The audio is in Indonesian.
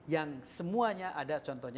yang semuanya ada contohnya